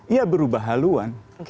ia berubah haluan